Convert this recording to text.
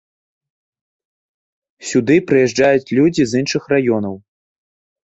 Сюды прыязджаюць людзі з іншых раёнаў.